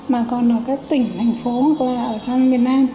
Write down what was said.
mà còn ở các tỉnh thành phố hoặc là ở trong miền nam